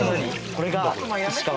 これが。